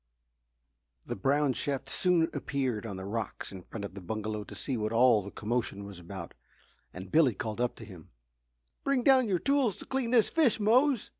The brown chef soon appeared on the rocks in front of the bungalow to see what all the commotion was about and Billy called up to him: "Bring down your tools to clean this fish, Mose!"